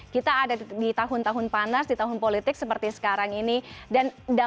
kita ada di tahun tahun panas di tahun politik seperti sekarang ini dan dampaknya akan seperti apa kepada pan